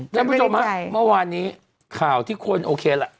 ท่านผู้ชมฮะเมื่อวานนี้ข่าวที่คนโอเคล่ะ